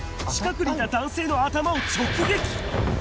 近くにいた男性の頭を直撃。